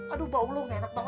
aduh bau lo ngenek banget nih